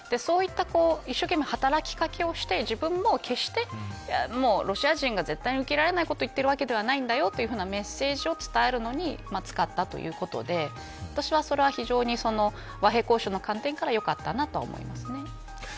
そういった一生懸命働き掛けをして自分も決してロシア人が絶対受けられないことを言ってるわけではないというメッセージを伝えるのに使ったということで私はそれは非常に和平交渉の観点からよかったなとは思います。